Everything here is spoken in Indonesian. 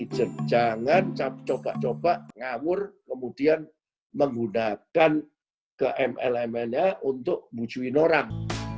jadi jangan copa copa ngamur kemudian menggunakan ke mlm nya untuk bujuin orang